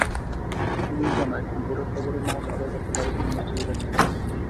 Police জানায়, ভোরে ফজরের নামাজ আদায় করতে বাড়ি থেকে মসজিদে যাচ্ছিলেন তাঁরা।